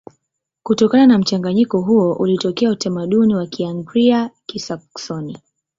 Kutokana na mchanganyiko huo ulitokea utamaduni wa Kianglia-Kisaksoni.